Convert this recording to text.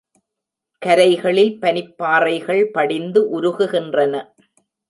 கரைகளில் பனிப்பாறைகள் படிந்து, உருகு கின்றன.